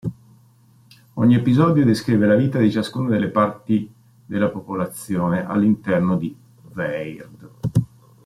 Ogni episodio descrive la vita di ciascuna delle parti della popolazione all'interno di Weird.